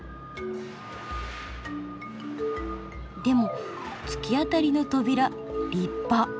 でも突き当たりの扉立派。